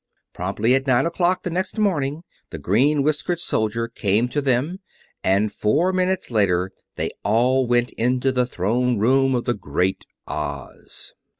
Promptly at nine o'clock the next morning the green whiskered soldier came to them, and four minutes later they all went into the Throne Room of the Great Oz.